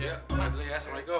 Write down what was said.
yuk selamat dulu ya assalamualaikum